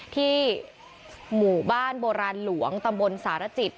ที่หมู่บ้านโบราณหลวงตำบลสารจิต